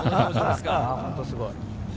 本当にすごい。